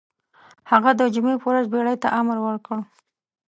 هغه د جمعې په ورځ بېړۍ ته امر وکړ.